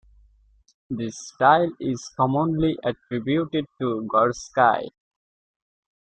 This style is commonly attributed to Gorsky.